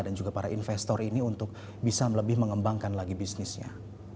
dan juga para investor ini untuk bisa lebih mengembangkan lagi bisnisnya